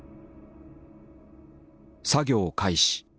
「作業開始」。